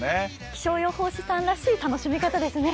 気象予報士さんらしい楽しみ方ですね。